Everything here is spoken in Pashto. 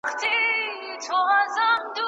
د روم امپراطورۍ په پخوانیو وختونو کي سقوط وکړ.